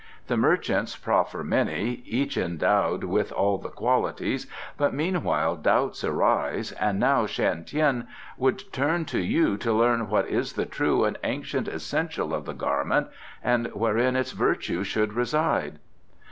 The merchants proffer many, each endowed with all the qualities, but meanwhile doubts arise, and now Shan Tien would turn to you to learn what is the true and ancient essential of the garment, and wherein its virtue should reside."